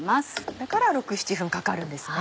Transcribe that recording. だから６７分かかるんですね。